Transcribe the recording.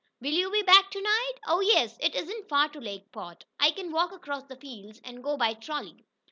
"Will you be back to night?" "Oh, yes. It isn't far to Lakeport. I can walk across the fields and go by trolley."